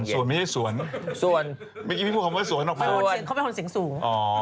เมื่อกี้พี่พูดคำว่าสวนออกมาเลยนะครับสวนเขาเป็นคนสิ่งสูง